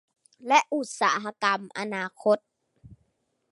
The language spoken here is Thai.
และอุตสาหกรรมอนาคต